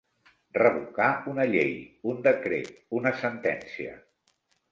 Revocar una llei, un decret, una sentència.